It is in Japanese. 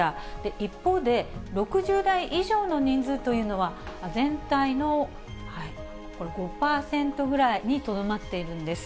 一方で、６０代以上の人数というのは、全体のこれ５％ぐらいにとどまっているんです。